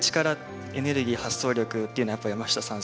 エネルギー発想力っていうのはやっぱり山下さん